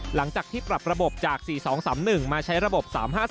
หลังจากที่ปรับระบบจาก๔๒๓๑มาใช้ระบบ๓๕๒